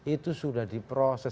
itu sudah diproses